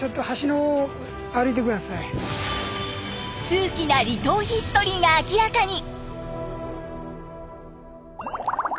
数奇な離島ヒストリーが明らかに。